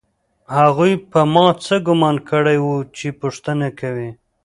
هغوی په ما څه ګومان کړی و چې پوښتنه کوي